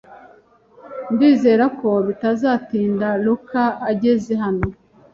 Ndizera ko bitazatinda Luka ageze hano.